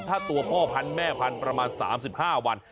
ถ้าตัวพ่อพันแม่พันธุ์ประมาณ๓๕วัน